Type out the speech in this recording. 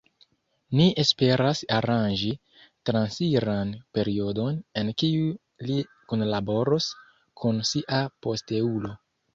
Ni esperas aranĝi transiran periodon en kiu li kunlaboros kun sia posteulo.